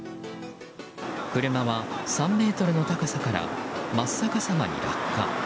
車は、３ｍの高さから真っ逆さまに落下。